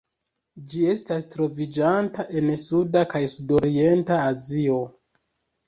Ĝi estas troviĝanta en Suda kaj Sudorienta Azio.